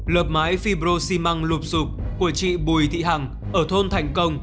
lợp mái fibrosimăng lụp sụp của chị bùi thị hằng ở thôn thành công